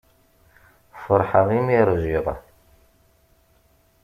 Feṛḥeɣ imi i ṛjiɣ.